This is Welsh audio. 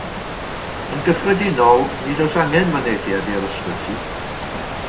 Yn gyffredinol nid oes angen mynediad i'r ysbyty.